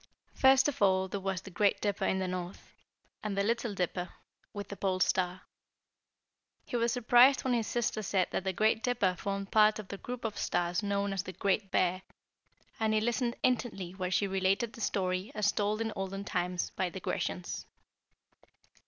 First of all, there was the Great Dipper in the North, and the Little Dipper with the Pole Star. He was surprised when his sister said that the Great Dipper formed part of the group of stars known as the Great Bear, and he listened intently while she related the story as told in olden times by the Grecians.